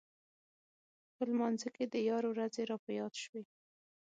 په لمانځه کې د یار ورځې راپه یاد شوې.